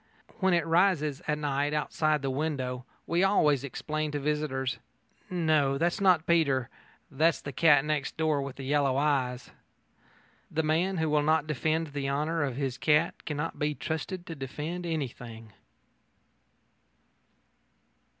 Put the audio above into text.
When it rises at night outside the window, we always explain to visitors: "No; that's not Peter. That's the cat next door with the yellow eyes." The man who will not defend the honour of his cat cannot be trusted to defend anything.